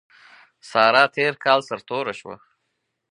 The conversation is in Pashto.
سارا تېر کال سر توره شوه.